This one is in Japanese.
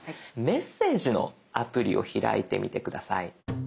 メッセージのアプリを開いてみて下さい。